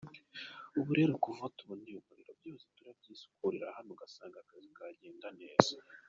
Ubu rero aho tuboneye umuriro, byose turabyisukurira hano ugasanga akazi karagenda neza.